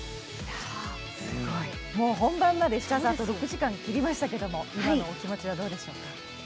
本番まで６時間、切りましたが今のお気持ちはどうでしょうか。